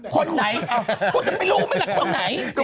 คนจะไปรู้ไหมแหละคนไหน